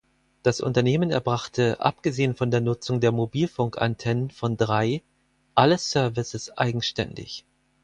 Das Unternehmen erbrachte, abgesehen von der Nutzung der Mobilfunkantennen von Drei, alle Services eigenständig.